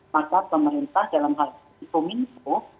maka pemerintah dalam hal ini kominfo